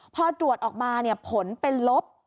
พอตรวจออกมาผลเป็นลบ